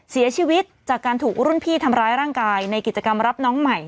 เสียชีวิตจากการถูกรุ่นพี่ทำร้ายร่างกายในกิจกรรมรับน้องใหม่